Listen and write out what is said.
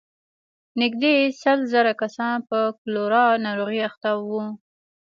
نږدې سل زره کسان پر کولرا ناروغۍ اخته وو.